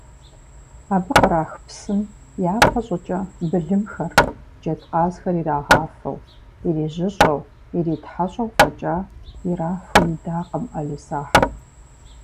Абы кърах псым, япэ щӏыкӏэ, былымхэр, джэдкъазхэр ирагъафэу, ирижьыщӏэу, иритхьэщӏэу фӏэкӏа ирафу идакъым ӏэлисахь.